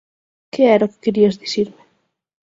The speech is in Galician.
Que era o que querías dicirme?